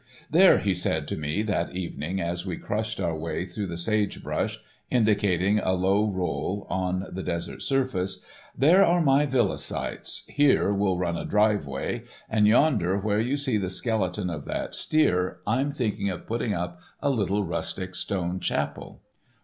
"There," he said to me that evening as we crushed our way through the sagebrush, indicating a low roll on the desert surface, "there are my villa sites, here will run a driveway, and yonder where you see the skeleton of that steer I'm thinking of putting up a little rustic stone chapel."